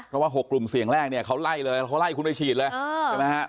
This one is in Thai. ก็ว่า๖กลุ่มเสียงแรกเนี่ยเขาไล่เลยเขาไล่คุณไปฉีดเลย